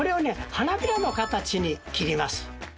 花びらの形に切ります。